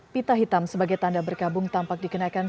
pita hitam sebagai tanda berkabung tampak dikenakan